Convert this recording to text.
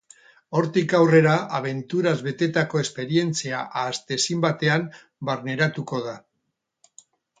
Hortik aurrera abenturaz betetako esperientzia ahaztezin batean barneratuko da.